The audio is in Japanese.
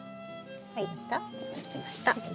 はい結びました。